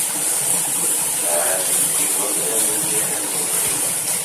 Sɛan-d igerdan d umliḥen d uḥdiqen.